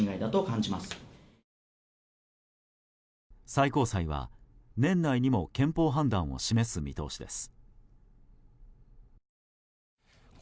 最高裁は年内にも憲法判断を示す見通しです。